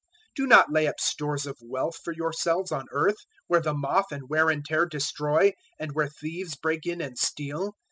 006:019 "Do not lay up stores of wealth for yourselves on earth, where the moth and wear and tear destroy, and where thieves break in and steal.